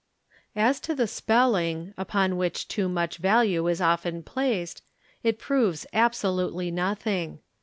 ': As to the spelling, upon which too much value is often placed, it proves absolutely nothing.